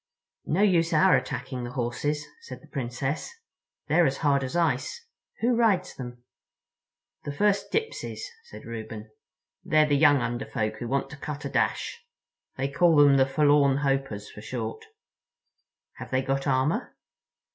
"No use our attacking the horses," said the Princess. "They're as hard as ice. Who rides them?" "The First Dipsys," said Reuben. "They're the young Under Folk who want to cut a dash. They call them the Forlorn Hopers, for short." "Have they got armor?"